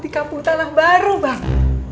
di kampung tanah baru bang